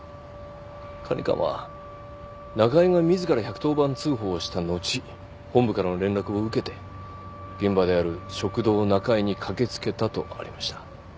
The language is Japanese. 管理官は中井がみずから１１０番通報した後本部からの連絡を受けて現場である食堂・なかいに駆けつけたとありました